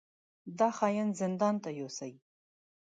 دا خاين زندان ته يوسئ!